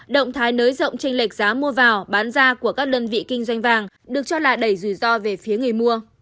động thái nới rộng tranh lệch giá mua vào bán ra của các đơn vị kinh doanh vàng được cho là đẩy rủi ro về phía người mua